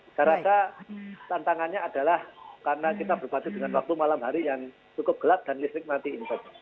saya rasa tantangannya adalah karena kita berbasis dengan waktu malam hari yang cukup gelap dan listrik mati infeksi